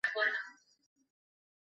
Mace তোমার সাথে কি হয়েছে?